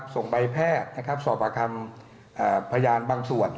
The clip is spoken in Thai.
ส่งใบแพทย์สอบประคำพยานบางส่วน